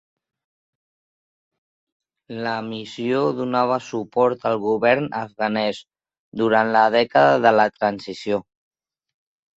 La missió donava suport al govern afganès durant la dècada de la transició.